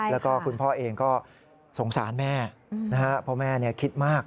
แล้วก็คุณพ่อเองก็สงสารแม่เพราะแม่คิดมาก